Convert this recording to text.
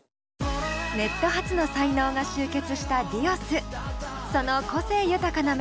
ネット発の才能が集結したＤｉｏｓ。